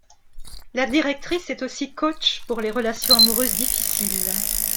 La directrice est aussi coach pour les relations amoureuses difficiles.